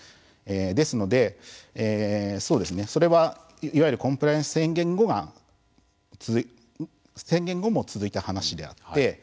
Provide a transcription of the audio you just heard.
ですので、それはいわゆるコンプライアンス宣言後も続いた話であって。